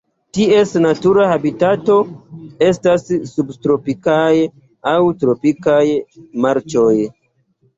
Ties natura habitato estas subtropikaj aŭ tropikaj marĉoj.